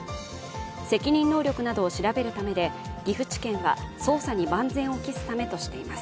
責任能力などを調べるためで岐阜地検は捜査に万全を期すためとしています。